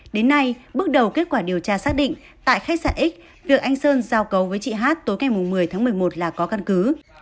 đến nay bước đầu kết quả điều tra xác định tại khách sạn x việc anh sơn giao cấu với chị hát tối ngày một mươi tháng một mươi một là có căn cứ